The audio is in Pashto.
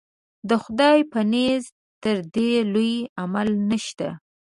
د خدای په نزد تر دې لوی عمل نشته.